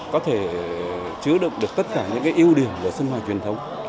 có thể chứa được được tất cả những cái ưu điểm của sơn mai truyền thống